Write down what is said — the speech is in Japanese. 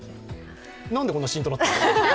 なんでこんなシーンとなってるの？